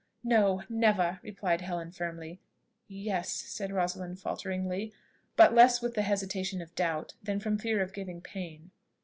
"No, never," replied Helen firmly. "Yes," said Rosalind falteringly; but less with the hesitation of doubt, than from fear of giving pain.